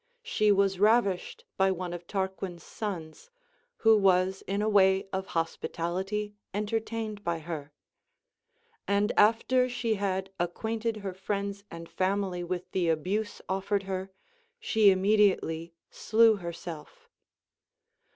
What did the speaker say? She was ravished by one of Tarquin's sons, who was in a Avay of liospitality entertained by her ; and after she had acquainted her 356 CONCEENING THE VIRTUES OF WOMEN friends and family with the abuse offered her, she imme diately slew herself.